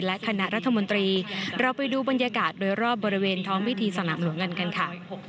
และคณะรัฐมนตรีเราไปดูบรรยากาศโดยรอบบริเวณท้องพิธีสนามหลวงกันกันค่ะ